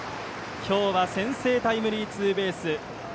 今日は先制タイムリーツーベース。